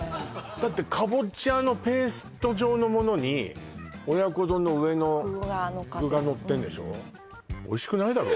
だってカボチャのペースト状のものに親子丼の上の具がのってんでしょ？